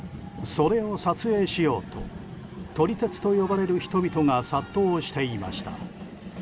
それを撮影しようと撮り鉄と呼ばれる人々が殺到していました。